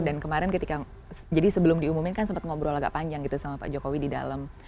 kemarin ketika jadi sebelum diumumkan kan sempat ngobrol agak panjang gitu sama pak jokowi di dalam